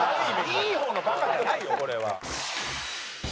いい方のバカじゃないよこれは。